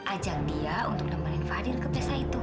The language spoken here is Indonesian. ajak dia untuk nemenin fadil ke pesta itu